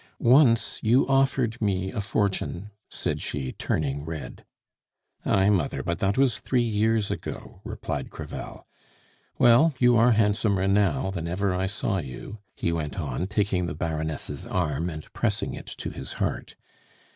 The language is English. "Once you offered me a fortune!" said she, turning red. "Ay, mother! but that was three years ago!" replied Crevel. "Well, you are handsomer now than ever I saw you!" he went on, taking the Baroness' arm and pressing it to his heart.